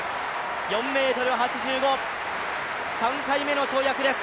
４ｍ８５、３回目の跳躍です。